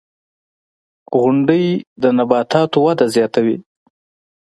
• غونډۍ د نباتاتو وده زیاتوي.